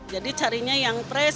jadi carinya yang pres